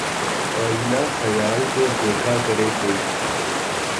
آئینۂ خیال کو دیکھا کرے کوئی